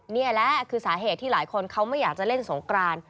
นี่แหละคือสาเหตุที่หลายคนเขาไม่อยากจะเล่นสงกราน